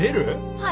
はい。